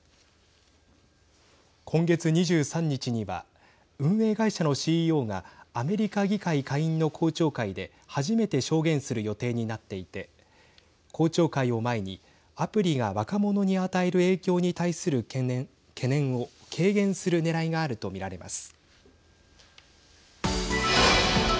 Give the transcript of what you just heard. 今月２３日には運営会社のＣＥＯがアメリカ議会下院の公聴会で初めて証言する予定になっていて公聴会を前にアプリが若者に与える影響に対する懸念を軽減するねらいがあると見られます。